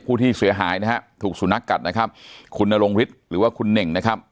ที่เสียหายนะฮะถูกสุนัขกัดนะครับคุณนรงฤทธิ์หรือว่าคุณเน่งนะครับ